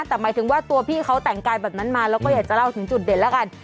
แต่หมายถึงว่าตัวพี่เขาแต่งกายแบบนั้นมาแล้วก็อยากจะเล่าถึงจุดเด่นแล้วกัน